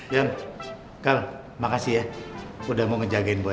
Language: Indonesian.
ian gal makasih ya udah mau ngejagain boy